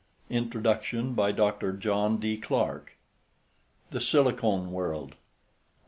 Introduction Dr. John D. Clark THE SILICONE WORLD 1.